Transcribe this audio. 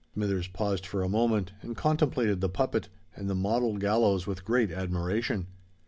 Smithers paused for a moment, and contemplated the puppet and the model gallows with great admiration.